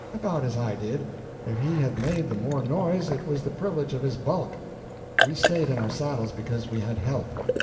"About as I did. If he made the more noise, it was the privilege of his bulk. We stayed in our saddles because we had help.